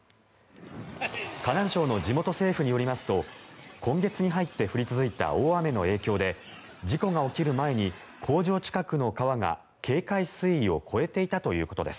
河南省の地元政府によりますと今月に入って降り続いた大雨の影響で事故が起きる前に工場近くの川が警戒水位を超えていたということです。